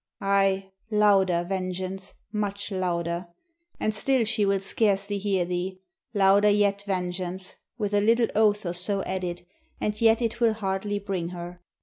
Aye! Louder, Vengeance, much louder, and still she will scarcely hear thee. Louder yet. Vengeance, with a little oath or so added, and yet it will hardly bring her.